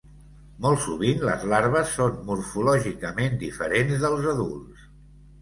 Molt sovint les larves són morfològicament diferents dels adults.